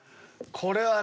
これはね。